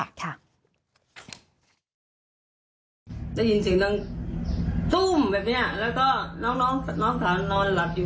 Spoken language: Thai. ได้ยินเสียงนั่งตุ้้มหมุนแบบนี้เพราะว่าน้องคุณนอนหลับอยู่